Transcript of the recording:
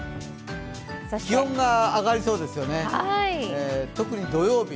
気温が上がりそうですね、特に土曜日。